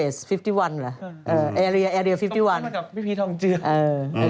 เออแอรียอ๕๑มากับพี่พีชทองเจือก